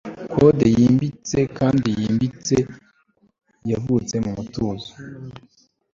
Kode yimbitse kandi yimbitse yavutse mumutuzo